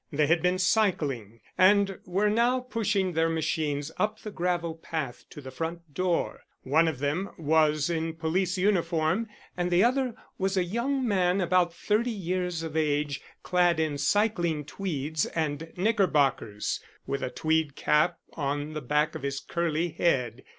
They had been cycling, and were now pushing their machines up the gravel path to the front door. One of them was in police uniform, and the other was a young man about thirty years of age, clad in cycling tweeds and knickerbockers, with a tweed cap on the back of his curly head.